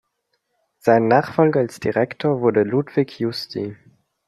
Sein Nachfolger als Direktor wurde Ludwig Justi.